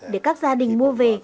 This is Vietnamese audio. để các gia đình mua về